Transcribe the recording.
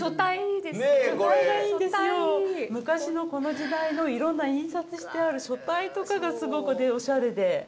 昔のこの時代の色んな印刷してある書体とかがすごくオシャレで。